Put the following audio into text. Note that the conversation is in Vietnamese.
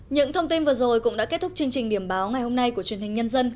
những thông tin vừa rồi cũng đã kết thúc chương trình điểm báo ngày hôm nay của truyền hình nhân dân